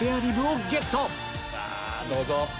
どうぞ。